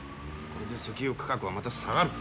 これで石油価格はまた下がる。